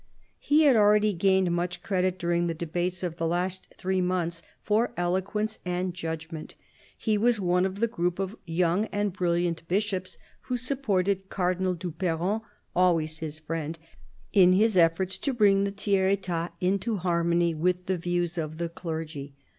He had already gained much credit, during the debates of the last three months, for eloquence and judgment; he was one of the group of young and brilliant bishops who supported Cardinal du Perron, always his friend, in his efforts to bring the' Tiers £tat into harmony with the views of the clergy.